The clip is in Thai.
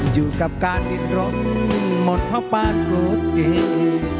อยู่กับการติดล้นมนต์พระปาทุกข์จิต